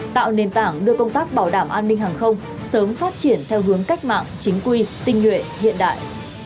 tạo nền tảng đưa công tác bảo đảm an ninh hàng không sớm phát triển theo hướng cách mạng chính quy tinh nguyện hiện đại